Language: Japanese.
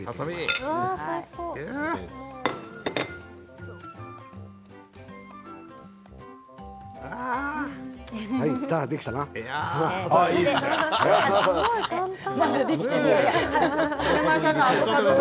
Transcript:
すごい簡単。